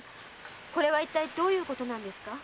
これはいったいどういうことなんですか？